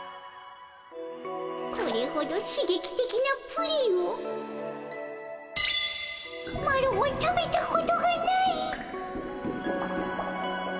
これほどしげきてきなプリンをマロは食べたことがない。